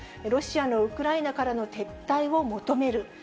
ロシアのウクライナからの撤退を求める。